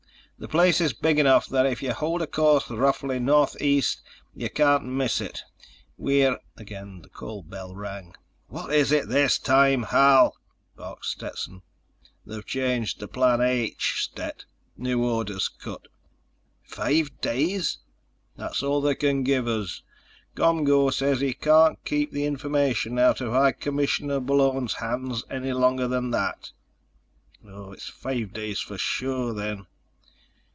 The place is big enough that if you hold a course roughly northeast you can't miss it. We're—" Again the call bell rang. "What is it this time, Hal?" barked Stetson. "They've changed to Plan H, Stet. New orders cut." "Five days?" "That's all they can give us. ComGO says he can't keep the information out of High Commissioner Bullone's hands any longer than that." "It's five days for sure then."